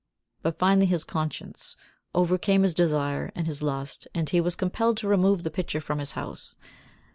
But finally his conscience overcame his desire and his lust and he was compelled to remove the picture from his house.